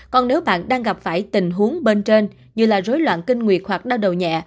còn nếu bạn đang gặp phải tình huống bên trên như là rối loạn kinh nguyệt hoặc đau đầu nhẹ